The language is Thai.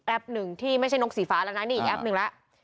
หนึ่งที่ไม่ใช่นกสีฟ้าแล้วนะนี่อีกแป๊บหนึ่งแล้ว